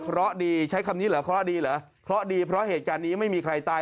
เพราะดีใช้คำนี้เหรอเคราะห์ดีเหรอเคราะห์ดีเพราะเหตุการณ์นี้ไม่มีใครตาย